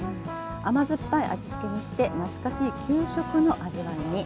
甘酸っぱい味付けにして懐かしい給食の味わいに。